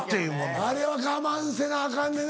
あれは我慢せなアカンねんね